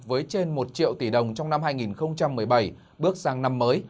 với trên một triệu tỷ đồng trong năm hai nghìn một mươi bảy bước sang năm mới